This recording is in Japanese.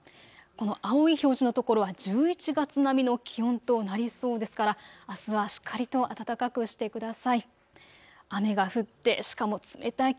この青い表示の所は１１月並みの気温となりそうですから、あすはしっかりと暖かくしてください。